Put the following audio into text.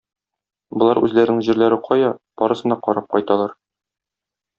Болар үзләренең җирләре кая, барысын да карап кайталар.